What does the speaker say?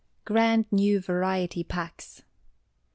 Grand New Variety Packets.